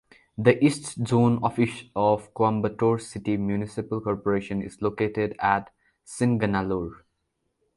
The East Zone Office of Coimbatore City Municipal Corporation is located at Singanallur.